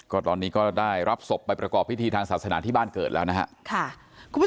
ก็ตอนนี้ก็ได้รับศพไปประกอบพิธีทางศาสนาที่บ้านเกิดแล้วนะครับ